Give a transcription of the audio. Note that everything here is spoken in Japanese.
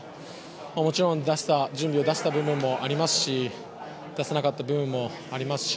もちろん準備を出せた部分もありますし出せなかった部分もありますし。